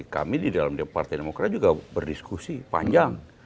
kami di dalam partai demokrat juga berdiskusi panjang